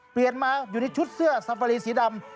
เปลี่ยนมาอยู่ในชุดเสื้อซัฟฟารีสีดำ